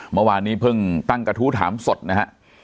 เมื่อวานนี้เพิ่งตั้งกระทู้ถามสดนะฮะ